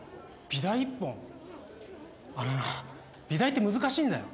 あのな美大って難しいんだよ。